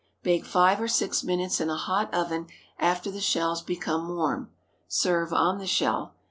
Bake five or six minutes in a hot oven after the shells become warm. Serve on the shell.